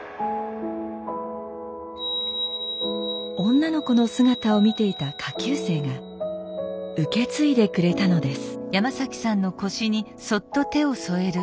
女の子の姿を見ていた下級生が受け継いでくれたのです。